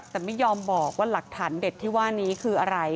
แต่ไม่ยอมบอกว่าหลักฐานเด็ดที่ว่านี้คืออะไร